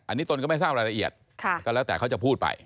อันนี้ตนก็ไม่ทราบรายละเอียดก็แล้วแต่เขาจะพูดไป